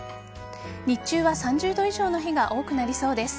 日中は３０分以上の日が多くなりそうです。